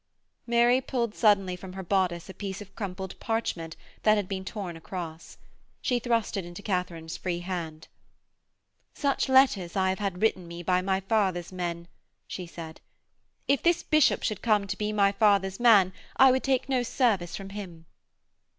Mary pulled suddenly from her bodice a piece of crumpled parchment that had been torn across. She thrust it into Katharine's free hand. 'Such letters I have had written me by my father's men,' she said. 'If this bishop should come to be my father's man I would take no service from him.'